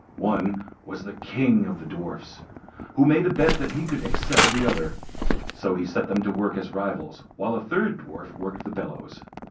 One was the king of the dwarfs, who made a bet that he could excel the other. So he set them to work as rivals, while a third dwarf worked the bellows.